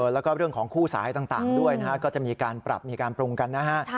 แล้วก็เรื่องของคู่สายต่างด้วยนะฮะก็จะมีการปรับมีการปรุงกันนะฮะ